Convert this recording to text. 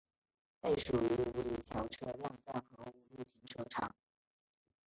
配属于五里桥车辆段和五路停车场。